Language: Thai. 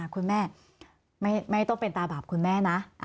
คุณแม่ไม่ต้องเป็นตาบาปคุณแม่นะ